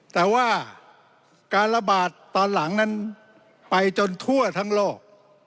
แต่ว่าการระบาดตอนหลังนั้นไปจนทั่วทั้งโลก